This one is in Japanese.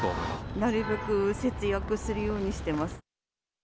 なるべく節約するようにしてます。